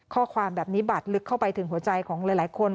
ข้อความแบบนี้บาดลึกเข้าไปถึงหัวใจของหลายคน